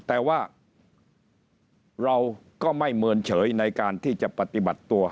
แต่ว่าเราก็ไม่เมินเฉยในการที่จะปฏิบัติตัว